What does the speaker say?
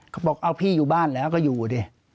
เขาบอกเอาพี่อยู่บ้านแล้วก็อยู่ดิ